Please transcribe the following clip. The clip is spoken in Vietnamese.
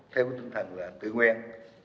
theo tinh thần là tự nguyên